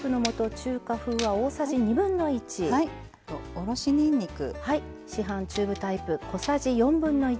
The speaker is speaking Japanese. おろしにんにく。